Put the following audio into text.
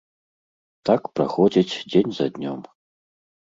Так праходзіць дзень за днём.